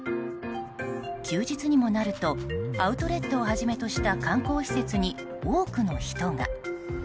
休日にもなるとアウトレットをはじめとした観光施設に、多くの人が。